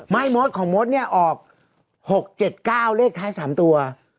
มดของมดเนี่ยออก๖๗๙เลขท้าย๓ตัว